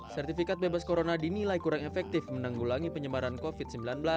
sertifikat bebas corona dinilai kurang efektif menanggulangi penyebaran covid sembilan belas